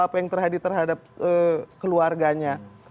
apa yang terjadi terhadap keluarganya